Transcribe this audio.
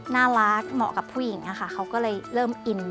น่ารักเหมาะกับผู้หญิงค่ะเขาก็เลยเริ่มอิน